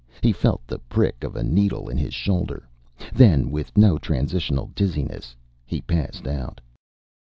He felt the prick of a needle in his shoulder. Then, with no transitional dizziness, he passed out.